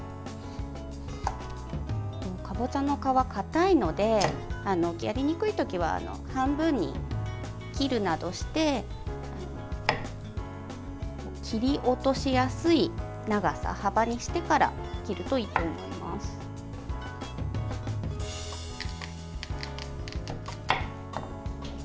かぼちゃの皮、かたいのでやりにくいときは半分に切るなどして切り落としやすい長さ、幅にしてから切るといいと思います。